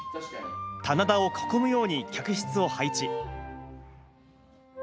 棚田を囲むように客室を配置。